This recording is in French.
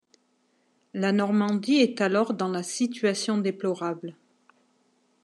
La Normandie est alors dans la situation déplorable.